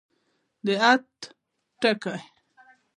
د عطف ټکی.